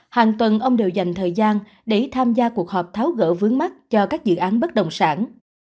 hàng tuần ông đều dành thời gian để tham gia cuộc họp tháo gỡ vướng mắt cho các dự án bất động sản